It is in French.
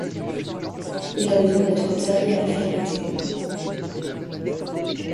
Il a besoin d'être taillé à la fin de l'été.